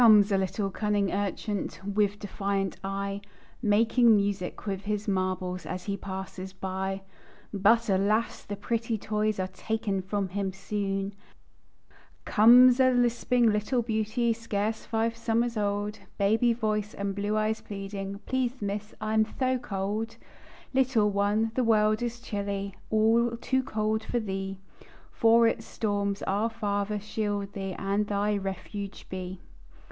Comes a cunning little urchin With defiant eye, "Making music" with his marbles As he passes by. But, alas! the pretty toys are Taken from him soon, And the music loving Willie Strikes another tune! Comes a lisping little beauty, Scarce five summers old; Baby voice and blue eyes pleading, "Please, misth, I'm stho cold!" Little one, the world is chilly, All too cold for thee; From its storms "Our Father" shield thee, And thy refuge be.